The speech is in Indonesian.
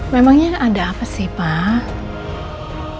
memangnya ada apa sih pak